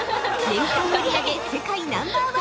◆年間売り上げ世界ナンバー１